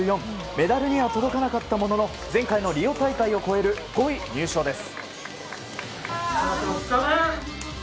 メダルには届かなかったものの前回のリオ大会を超える５位入賞です。